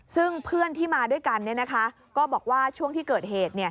ซึ่งเพื่อนที่มาด้วยกันก็บอกว่าช่วงที่เกิดเหตุ